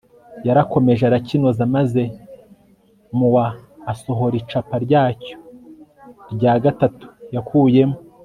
yarakomeje arakinoza maze mu wa asohora icapa ryacyo rya gatatu yakuyemo